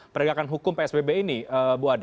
penegakan hukum psbb ini bu ade